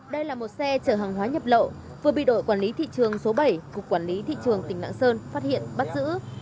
đây là một xe chở hàng hóa nhập lậu vừa bị đội quản lý thị trường số bảy cục quản lý thị trường tỉnh lạng sơn phát hiện bắt giữ